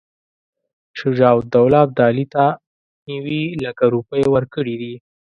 شجاع الدوله ابدالي ته نیوي لکه روپۍ ورکړي دي.